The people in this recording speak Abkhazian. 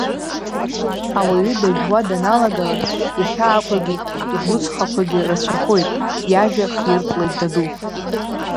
Ауаҩы дажәуа даналагалак, ихьаақәагьы игәыҵхақәагьы рацәахоит, иажәа хиртлеит даду.